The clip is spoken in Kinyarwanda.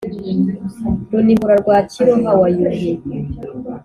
Runihura rwa Kiroha wa Yuhi,